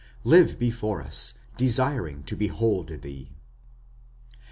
Live before us, desiring to behold thee.